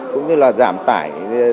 cũng như là giảm tải